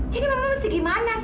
jadi mama mesti gimana sih